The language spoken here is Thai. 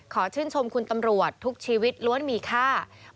ขอชื่นชมคุณตำรวจทุกชีวิตล้วนมีค่า